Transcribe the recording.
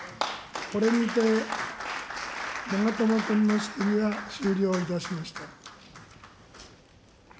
これにて長友君の質疑は終了いたしました。